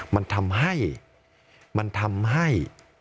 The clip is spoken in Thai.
มันทำให้